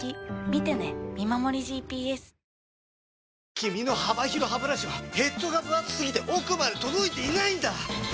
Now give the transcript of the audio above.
君の幅広ハブラシはヘッドがぶ厚すぎて奥まで届いていないんだ！